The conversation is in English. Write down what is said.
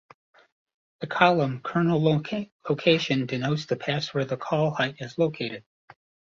The column "Colonel location" denotes the pass where the col height is located.